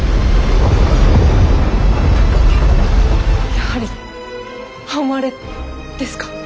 やはり半割れですか？